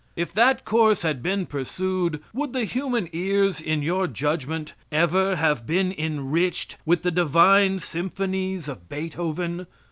If that course had been pursued, would the human ears, in your judgment, ever have been enriched with the divine symphonies of Beethoven?